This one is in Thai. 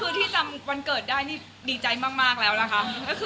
คือที่จำวันเกิดได้นี่ดีใจมากแล้วนะคะ